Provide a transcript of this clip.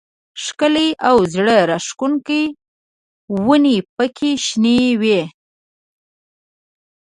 ښکلې او زړه راښکونکې ونې پکې شنې وې.